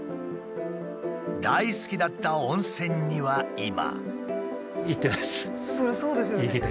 大好きだった温泉には今。